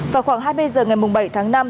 vào khoảng hai mươi h ngày bảy tháng năm